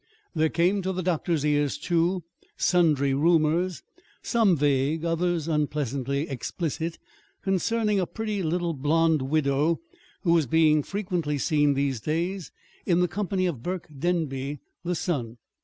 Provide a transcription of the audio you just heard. There came to the doctor's ears, too, sundry rumors some vague, others unpleasantly explicit concerning a pretty little blonde widow, who was being frequently seen these days in the company of Burke Denby, the son.